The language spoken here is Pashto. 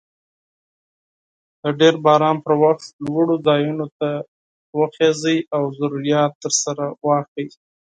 د شديد باران پر وخت لوړو ځايونو ته وخېژئ او ضروريات درسره واخلئ.